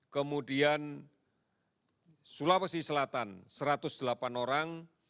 kemudian sulawesi selatan satu ratus delapan orang